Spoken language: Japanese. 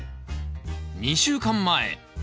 ２週間前